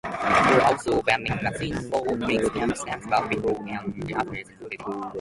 There are also vending machines for drinks and snacks both before and after security.